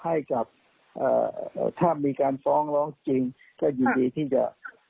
ให้กับเอ่อถ้ามีการซ้องร้องจริงก็อยู่ที่จะเอ่อ